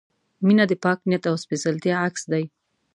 • مینه د پاک نیت او سپېڅلتیا عکس دی.